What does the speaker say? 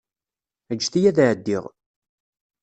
Ǧǧet-iyi ad ɛeddiɣ.